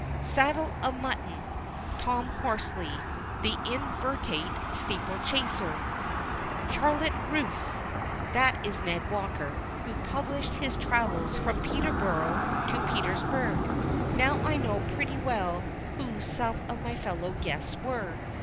'Saddle of Mutton.' Tom Horsley, the inveterate steeple chaser. 'Charlotte Russe.' That is Ned Walker, who published his travels from "Peterborough to Petersburg." Now I know pretty well who some of my fellow guests were.